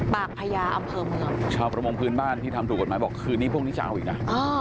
พญาอำเภอเมืองชาวประมงพื้นบ้านที่ทำถูกกฎหมายบอกคืนนี้พรุ่งนี้จะเอาอีกนะ